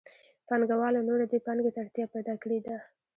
پانګوالو نوره دې پانګې ته اړتیا پیدا کړې ده